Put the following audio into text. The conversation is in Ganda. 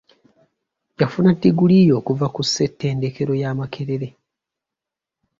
Yafuna ddiguli ye okuva ku ssettendekero ya Makerere.